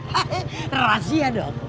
hah razia dong